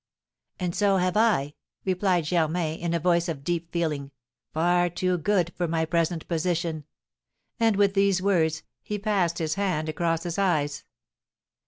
"And so have I," replied Germain, in a voice of deep feeling "far too good for my present position;" and, with these words, he passed his hand across his eyes.